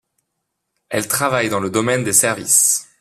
Elle travaille dans le domaine des services.